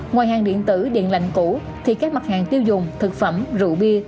ngoài hàng điện tử điện lạnh cũ thì các mặt hàng tiêu dùng thực phẩm rượu bia